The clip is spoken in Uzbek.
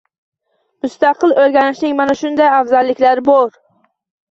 Mustaqil o’rganishning mana shunday afzalliklari bor